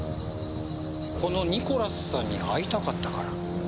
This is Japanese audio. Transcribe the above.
このニコラスさんに会いたかったから。